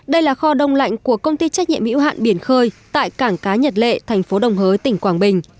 đây là kho đông lạnh của công ty trách nhiệm hữu hạn biển khơi tại cảng cá nhật lệ thành phố đồng hới tỉnh quảng bình